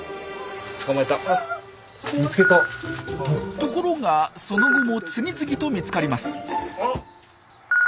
ところがその後も次々と見つかります。